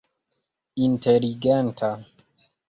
inteligenta